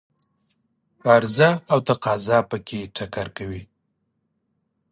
عرضه او تقاضا په کې ټکر کوي.